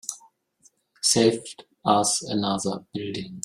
Saved us another building.